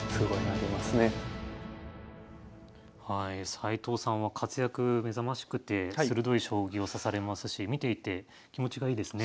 斎藤さんは活躍目覚ましくて鋭い将棋を指されますし見ていて気持ちがいいですね。